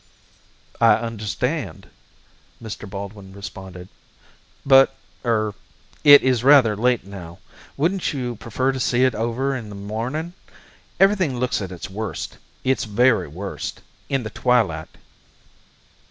"I understand," Mr. Baldwin responded, "but er it is rather late now; wouldn't you prefer to see over it in the morning? Everything looks at its worst its very worst in the twilight."